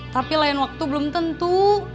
tapi lain waktu belum tentu